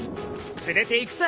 連れていくさ。